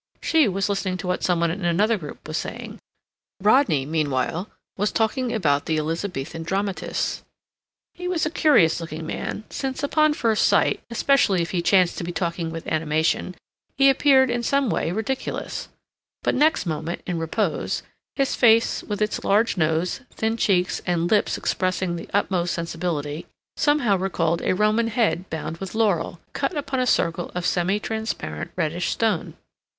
She was listening to what some one in another group was saying. Rodney, meanwhile, was talking about the Elizabethan dramatists. He was a curious looking man since, upon first sight, especially if he chanced to be talking with animation, he appeared, in some way, ridiculous; but, next moment, in repose, his face, with its large nose, thin cheeks and lips expressing the utmost sensibility, somehow recalled a Roman head bound with laurel, cut upon a circle of semi transparent reddish stone.